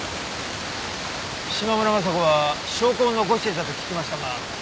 島村昌子は証拠を残していたと聞きましたがそれは？